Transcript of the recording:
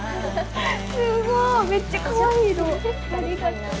すごいめっちゃかわいい色ありがとう。